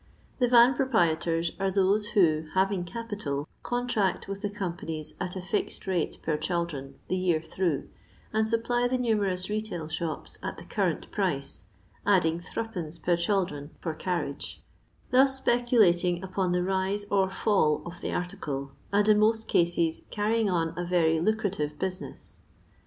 The van proprietors are those who, having capital, contract with the companies at a fixed rate per chaldron the year through, and supply the numerous retail shops at the current price, adding $d, per chaldron for carriage; thus speculating upon the rise or fiiU of the article, and in most cases carrying on a very lucrative business.